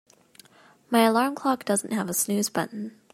My alarm clock doesn't have a snooze button.